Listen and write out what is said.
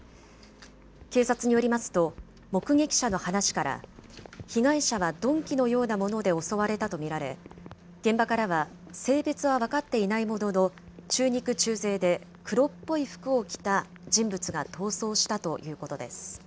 警察によりますと、目撃者の話から、被害者は鈍器のようなもので襲われたと見られ、現場からは、性別は分かっていないものの、中肉中背で黒っぽい服を着た人物が逃走したということです。